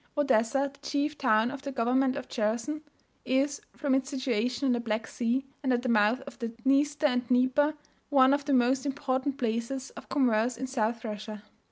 Odessa, the chief town of the government of Cherson, is, from its situation on the Black Sea, and at the mouth of the Dniester and Dnieper, one of the most important places of commerce in South Russia.